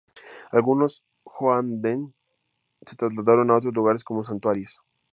Algunos hō-an-den se trasladaron a otros lugares como santuarios.